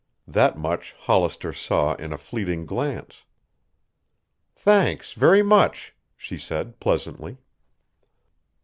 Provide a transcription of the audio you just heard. That much Hollister saw in a fleeting glance. "Thanks, very much," she said pleasantly.